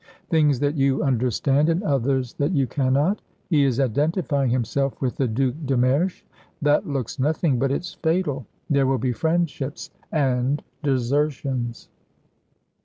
"Things that you understand and others that you cannot.... He is identifying himself with the Duc de Mersch. That looks nothing, but it's fatal. There will be friendships ... and desertions."